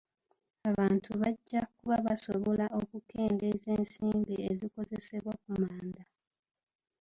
Abantu bajja kuba basobola okukendeeza ensimbi ezikozesebwa ku manda.